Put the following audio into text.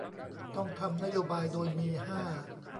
ต้องทำนโยบาย โดยมี ห้า